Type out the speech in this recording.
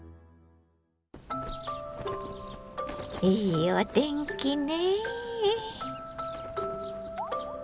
いいお天気ね。